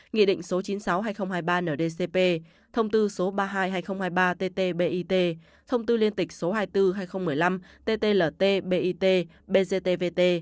nghị định số chín mươi sáu hai nghìn hai mươi ba ndcp thông tư số ba mươi hai hai nghìn hai mươi ba tt bit thông tư liên tịch số hai mươi bốn hai nghìn một mươi năm ttlt bit bctvt